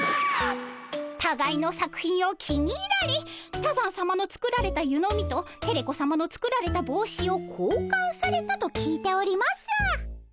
たがいの作品を気に入られ多山さまの作られた湯飲みとテレ子さまの作られた帽子を交換されたと聞いております。